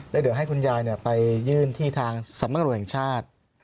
แล้วเดี๋ยวให้คุณยายไปยื่นที่ทางสำรวจแห่งชาติ